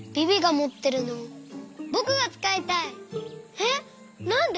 えっなんで？